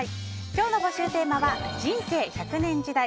今日の募集テーマは人生１００年時代